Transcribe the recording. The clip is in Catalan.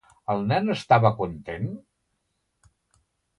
El nen estava content?